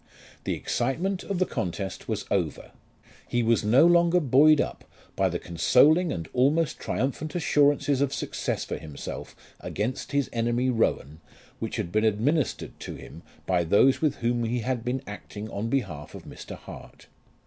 The excitement of the contest was over. He was no longer buoyed up by the consoling and almost triumphant assurances of success for himself against his enemy Rowan, which had been administered to him by those with whom he had been acting on behalf of Mr. Hart.